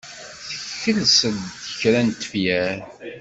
Tekles-d kra n tefyar.